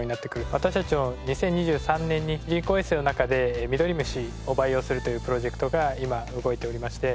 私たちも２０２３年に人工衛星の中でミドリムシを培養するというプロジェクトが今動いておりまして。